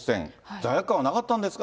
罪悪感はなかったんですか？